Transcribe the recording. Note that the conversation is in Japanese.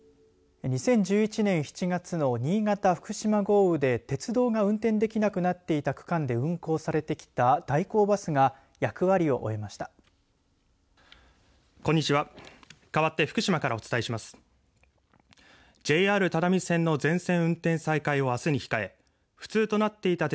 ２０１１年７月の新潟・福島豪雨で鉄道が運転できなくなっていた区間で運行されてきた代行バスが役割を終えました。